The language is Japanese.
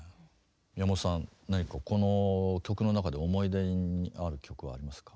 宮本さん何かこの曲の中で思い出にある曲はありますか？